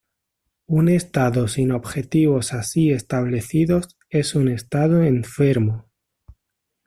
Un Estado sin objetivos así establecidos es un Estado enfermo.